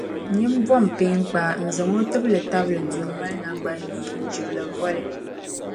nyin’ bomi peeŋkpaa n-zaŋ o tibili tabili dunoli naŋgbanyee n-chibi li voli.